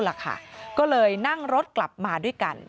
ตอนนี้ก็เลยนั่งรถกลับมาด้วยกัน